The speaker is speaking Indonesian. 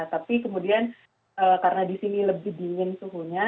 tapi kemudian karena di sini lebih dingin suhunya